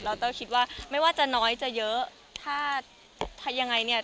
แล้วเต้าคิดว่าไม่ว่าจะน้อยจะเยอะถ้าถ้ายังไงเนี่ย